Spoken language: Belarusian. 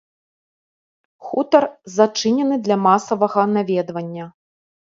Хутар зачынены для масавага наведвання.